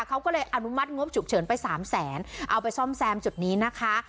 เขาก็เลยอนุมัติงบฉุกเฉินไปสามแสนเอาไปซ่อมแซมจุดนี้นะคะ